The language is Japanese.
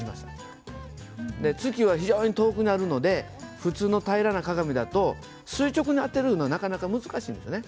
月は非常に遠くにあるので普通の平らな鏡だと垂直に当てるのはなかなか難しいんですよね。